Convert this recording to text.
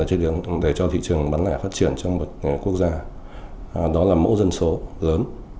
ở trên đường để cho thị trường bán lẻ phát triển trong một quốc gia đó là mẫu dân số lớn